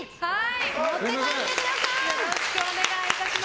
持って帰ってください！